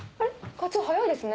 課長早いですね。